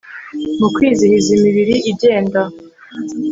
mu kwizihiza, imibiri igenda